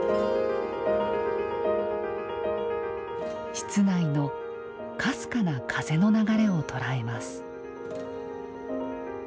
室内のかすかな風の流れを捉えます。